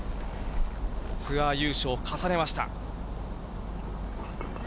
ツアー優勝重ねました。